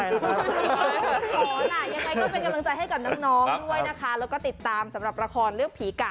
แล้วก็ติดตามสำหรับละครเลี่ยวผีกะ